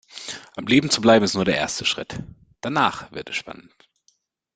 Am Leben zu bleiben ist nur der erste Schritt, danach wird es spannend.